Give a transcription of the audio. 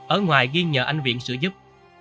ở ngoài ghi nhờ anh viện sửa giúp